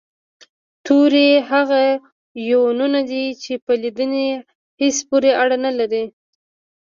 توري هغه يوونونه دي چې په لیدني حس پورې اړه لري